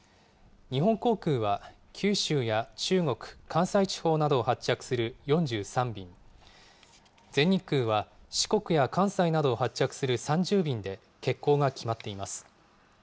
日本航空は九州や中国、関西地方などを発着する４３便、全日空は四国や関西などを発着する３０便で欠航が決まっています。